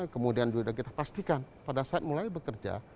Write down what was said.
kemudian juga kita pastikan pada saat mulai bekerja